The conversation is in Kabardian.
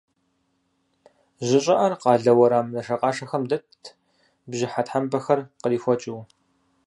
Жьы щӏыӏэр къалэ уэрам нашэкъашэхэм дэтт, бжьыхьэ тхьэмпэхэр кърихуэкӏыу.